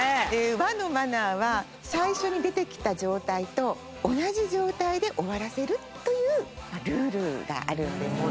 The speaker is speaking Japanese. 和のマナーは最初に出てきた状態と同じ状態で終わらせるというルールがあるんですね。